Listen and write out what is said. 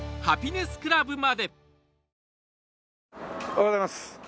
おはようございます。